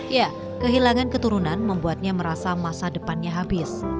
ya kehilangan keturunan membuatnya merasa masa depannya habis